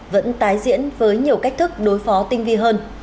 vẫn tái diễn với nhiều cách thức đối phó tinh vi hơn